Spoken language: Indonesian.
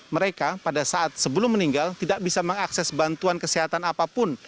mereka pada saat sebelum meninggal tidak bisa mengakses bantuan kesehatan apapun